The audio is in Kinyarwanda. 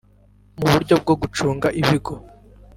mu buryo bwo gucunga ibigo